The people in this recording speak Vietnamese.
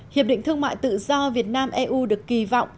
hiệp định thương mại tự do việt nam eu được kỳ vọng